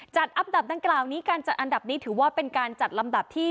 อันดับดังกล่าวนี้การจัดอันดับนี้ถือว่าเป็นการจัดลำดับที่